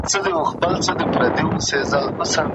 ژوندون که بد وي که ښه تیریږي